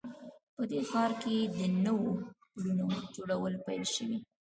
په دې ښار کې د نوو پلونو جوړول پیل شوي